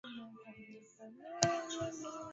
aina ambayo hata hivyo inakuwa kidogo na ya kupendeza